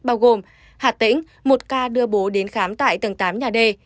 bao gồm hà tĩnh một ca đưa bố đến khám tại tầng tám nhà d